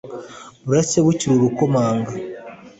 Buracya bukir'urakomanga